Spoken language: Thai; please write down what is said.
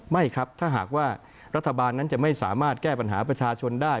ไม่ครับถ้าหากว่ารัฐบาลนั้นจะไม่สามารถแก้ปัญหาประชาชนได้